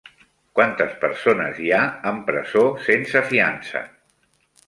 Quantes persones hi ha amb presó sense fiança?